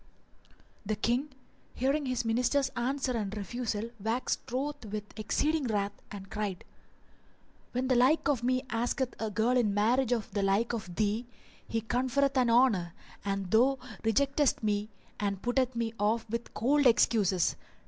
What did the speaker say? The King, hearing his Minister's answer and refusal, waxed wroth with exceeding wrath and cried, 'When the like of me asketh a girl in marriage of the like of thee, he conferreth an honour, and thou rejectest me and puttest me off with cold [FN#402] excuses!